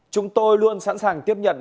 chúng tôi luôn sẵn sàng tiếp nhận